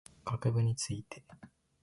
学部について